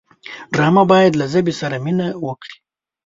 ډرامه باید له ژبې سره مینه وکړي